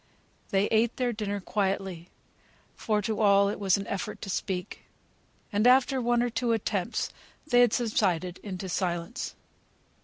They ate their dinner quietly; for to all it was an effort to speak, and after one or two attempts they had subsided into silence.